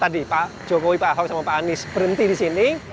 tadi pak jokowi pak ahok sama pak anies berhenti di sini